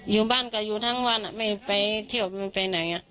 อยู่บ้านก็อยู่ทั้งวันไม่ไปเที่ยวไม่ไปไหน